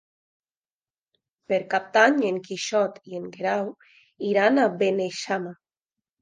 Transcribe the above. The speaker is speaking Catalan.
Per Cap d'Any en Quixot i en Guerau iran a Beneixama.